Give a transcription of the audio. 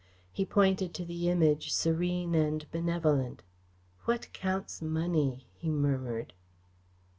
He pointed to the Image, serene and benevolent. "What counts money?" he murmured.